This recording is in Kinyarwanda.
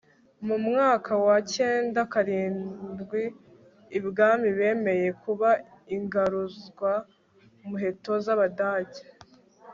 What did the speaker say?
mu mwaka wa icyenda karindwi, ibwami bemeye kuba ingaruzwamuheto z'abadage